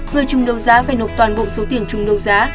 người chung đấu giá phải nộp toàn bộ số tiền chung đấu giá